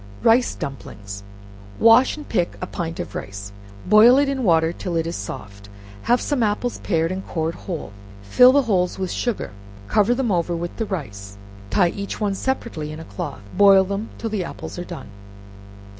Rice Dumplings Wash and pick a pint of rice, boil it in water till it is soft; have some apples pared and cored whole, fill the holes with sugar, cover them over with the rice, and tie each one separately in a cloth; boil them till the apples are done.